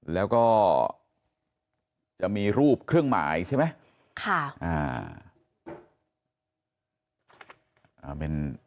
แล้วก็จะมีรูปเครื่องหมายใช่ไหม